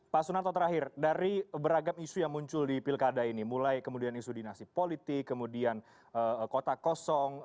pak sunarto terakhir dari beragam isu yang muncul di pilkada ini mulai kemudian isu dinasti politik kemudian kotak kosong